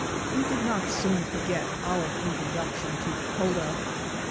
We did not soon forget our introduction to Dakota.